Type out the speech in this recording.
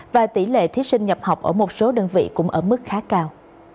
và tỷ lệ thí sinh nhập học ở một số đơn vị cũng ở mức khá cao